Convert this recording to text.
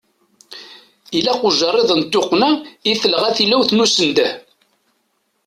Ilaq ujeṛṛiḍ n tuqqna i telɣa tilawt n usendeh.